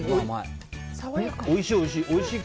おいしい、おいしい。